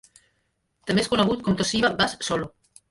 També és conegut com Toshiya bass solo.